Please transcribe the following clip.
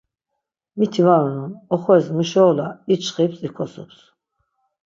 Miti var unon, oxoris muşeula içxips ikosups.